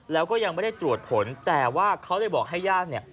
แล้วก็ยังไม่ได้ตรวจผลแต่ว่าเขาเลยบอกให้ญาติเนี่ย